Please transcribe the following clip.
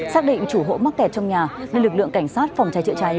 xác định chủ hộ mắc kẹt trong nhà nên lực lượng cảnh sát phòng cháy chữa cháy